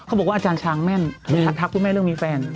เขาบอกว่าอาจารย์ช้างแม่นถักพูดแม่เรื่องมีแฟน